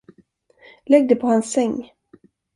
Lägg det på hans säng.